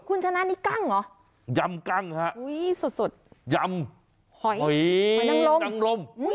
คุณชนะนี่กล้างเหรอยำกล้างครับยำหอยน้ำลม